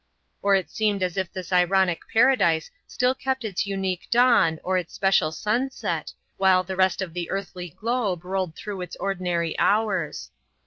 Or it seemed as if this ironic paradise still kept its unique dawn or its special sunset while the rest of the earthly globe rolled through its ordinary hours.